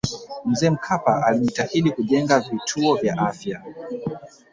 mzee mkapa alijitahidi kujenga vituo vya afya